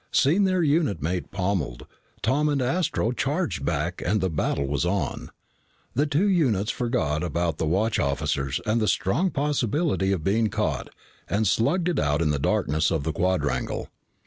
Seeing their unit mate pommeled, Tom and Astro charged back and the battle was on. The two units forgot about the watch officers and the strong possibility of being caught and slugged it out in the darkness of the quadrangle.